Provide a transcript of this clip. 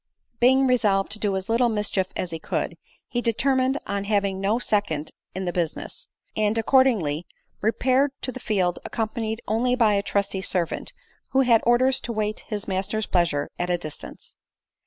Being resolved to do as little mischief as he could, he determined on having no second in the business ; and accordingly repaired to the field accompanied only by a trusty servant, who had orders to wait his master's plea sure at a distance.